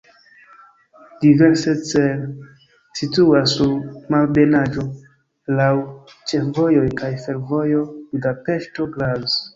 Devecser situas sur malebenaĵo, laŭ ĉefvojoj kaj fervojo Budapeŝto-Graz.